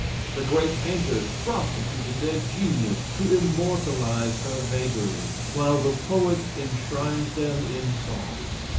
The great painters prostituted their genius to immortalize her vagaries, while the poets enshrined them in song.